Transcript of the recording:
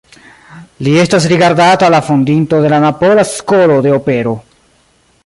Li estas rigardata la fondinto de la napola skolo de opero.